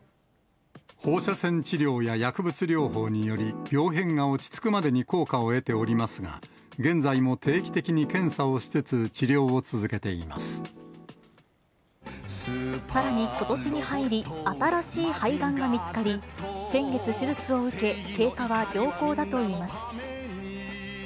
放射線治療や薬物療法により、病変が落ち着くまでに効果を得ておりますが、現在も定期的に検査さらに、ことしに入り、新しい肺がんが見つかり、先月、手術を受け、経過は良好だといいます。